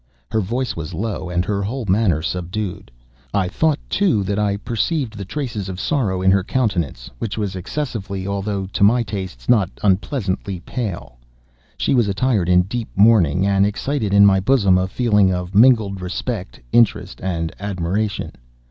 Her voice was low, and her whole manner subdued. I thought, too, that I perceived the traces of sorrow in her countenance, which was excessively, although to my taste, not unpleasingly, pale. She was attired in deep mourning, and excited in my bosom a feeling of mingled respect, interest, and admiration.